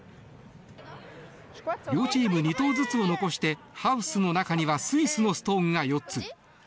両チーム２投ずつを残してハウスの中にはスイスのストーンが４つ。